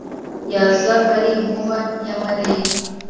yaza ari inkuba y’amarere,